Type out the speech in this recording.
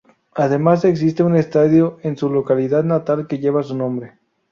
Además existe un estadio en su localidad natal que lleva su nombre.